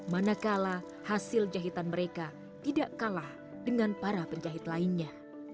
manakala hasil jahitan mereka tidak kalah dengan para penjahit lainnya